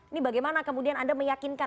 ini bagaimana kemudian anda meyakinkan